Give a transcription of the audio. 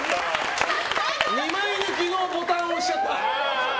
２枚抜きのボタンを押しちゃった。